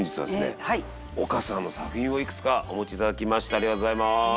ありがとうございます。